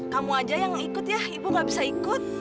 kamu aja yang ikut ya ibu gak bisa ikut